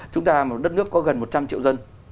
chúng ta một đất nước có gần một trăm linh triệu dân